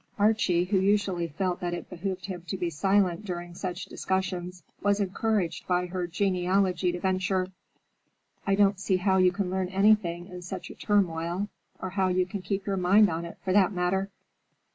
Archie, who usually felt that it behooved him to be silent during such discussions, was encouraged by her geniality to venture, "I don't see how you can learn anything in such a turmoil; or how you can keep your mind on it, for that matter."